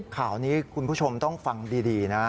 ข่าวนี้คุณผู้ชมต้องฟังดีนะ